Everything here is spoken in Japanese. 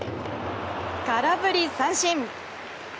空振り三振。